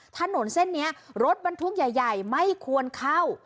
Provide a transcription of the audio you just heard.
ถนนเส้นนี้รถบรรทุกใหญ่ไม่ควรเข้า